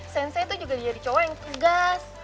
sensei tuh juga jadi cowo yang tugas